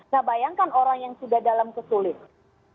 nah bayangkan orang yang sudah dalam kesulitan